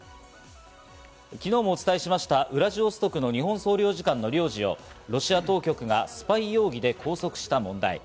昨日もお伝えしました、ウラジオストクの日本総領事館の領事をロシア当局がスパイ容疑で拘束した問題。